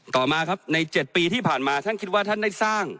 ต่อมาครับใน๗ปีที่ผ่านมาท่านคิดว่าท่านได้สร้าง